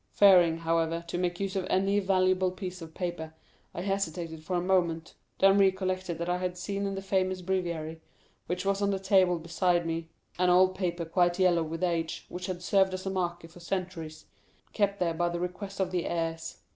Fearing, however, to make use of any valuable piece of paper, I hesitated for a moment, then recollected that I had seen in the famous breviary, which was on the table beside me, an old paper quite yellow with age, and which had served as a marker for centuries, kept there by the request of the heirs.